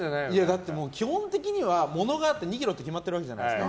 だって、基本的には物があって２ｋｇって決まってるわけじゃないですか。